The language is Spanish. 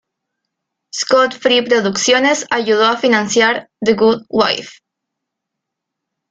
Scott Free producciones ayudó a financiar The Good Wife.